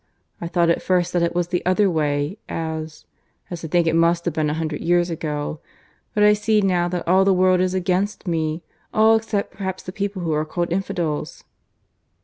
I thought at first that it was the other way, as ... as I think it must have been a hundred years ago. But I see now that all the world is against me all except perhaps the people who are called infidels."